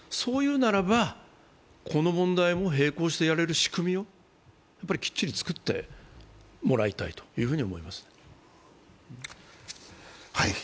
ただ、そう言うならば、この問題も平行してやれる仕組みをきっちりつくってもらいたいと思います。